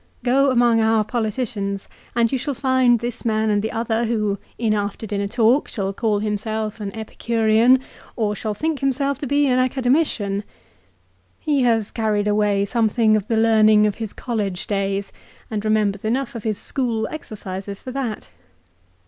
Go among our politicians, and you shall find this man and the other, who, in after dinner talk, shall call himself an Epicurean, or shall think himself to be an Academician. He has carried away something of the learning of his college days, and remembers enough of his school exercises for that.